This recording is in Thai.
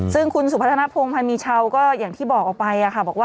ซึ่งคุณสุพัฒนภงศ์พันธ์มีเช่าก็อย่างที่บอกออกไป